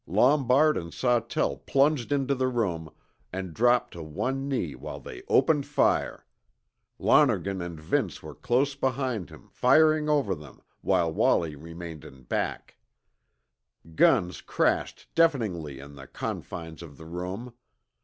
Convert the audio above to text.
Lombard and Sawtell plunged into the room, and dropped to one knee while they opened fire. Lonergan and Vince were close behind, firing over them, while Wallie remained in back. Guns crashed deafeningly in the confines of the room.